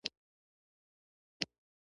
د دفاع لپاره تیاری نیسي.